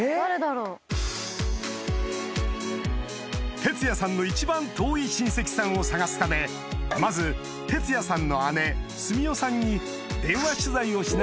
鉄矢さんの一番遠い親戚さんを探すためまず鉄矢さんの姉スミヨさんに電話取材をしながら